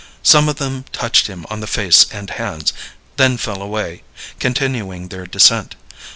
Some of them touched him on the face and hands, then fell away, continuing their descent.